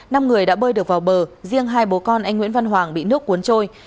năm người đã bơi được vào bờ riêng hai bố con anh nguyễn văn hoàng bị nước cuốn trôi